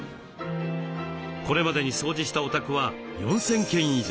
これまでに掃除したお宅は４，０００軒以上。